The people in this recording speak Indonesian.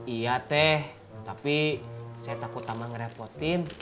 iya teh tapi saya takut sama ngerepotin